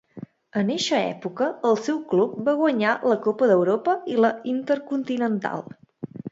En eixa època, el seu club va guanyar la Copa d'Europa i la Intercontinental.